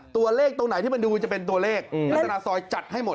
ตรงไหนที่มันดูจะเป็นตัวเลขลักษณะซอยจัดให้หมด